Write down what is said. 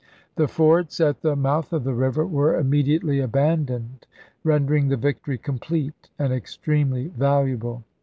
The forts at the mouth of the river were immedi ately abandoned, rendering the victory complete and extremely valuable.